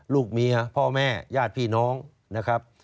ลูกเมียพ่อแม่ญาติพี่น้องนะครับ